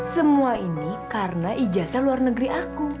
semua ini karena ijazah luar negeri aku